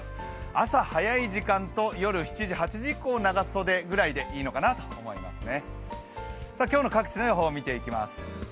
朝早い時間と夜７時、８時以降、長袖ぐらいでいいのかなと思いますね。